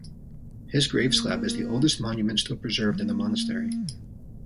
His grave slab is the oldest monument still preserved in the monastery.